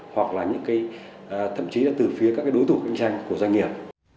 hoặc là thậm chí từ phía các đối thủ cạnh tranh của doanh nghiệp